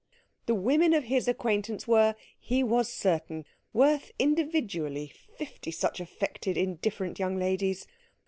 The women of his acquaintance were, he was certain, worth individually fifty such affected, indifferent young ladies.